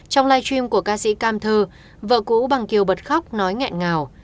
trong live stream của ca sĩ cam thơ vợ cũ bằng kiều bật khóc nói nghẹn ngào